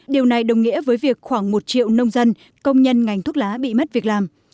điều này đồng nghĩa với việc khoảng một triệu nông dân công nhân ngành thuốc lá bị mất việc làm